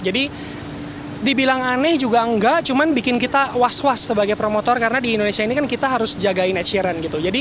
jadi dibilang aneh juga enggak cuma bikin kita was was sebagai promotor karena di indonesia ini kan kita harus jagain ed sheeran gitu